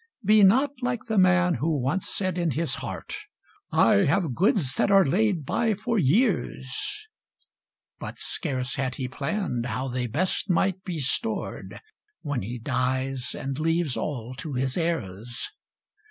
Be not like the man who once said in his heart, "I have goods that are laid by for years;" But scarce had he planned how they best might be stored, When he dies and leaves all to his heirs.